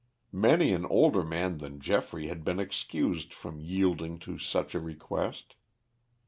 Many an older man than Geoffrey had been excused from yielding to such a request.